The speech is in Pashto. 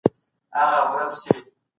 کاري وخت باید د کورني فکرونو نه پاک وي.